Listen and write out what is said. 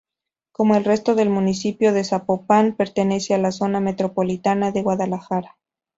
Como el resto del municipio de Zapopan: pertenece a la Zona Metropolitana de Guadalajara.